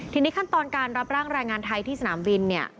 ทีนี้ขั้นตอนการรับร่างแรงงานไทยที่สนามบินเนี่ย